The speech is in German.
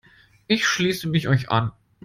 Ich schließe mich euch an.